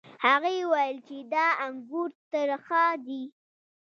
هغې وویل چې دا انګور ترخه دي.